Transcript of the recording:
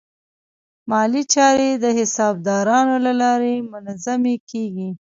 مالي چارې د حسابدارانو له لارې منظمې کېږي.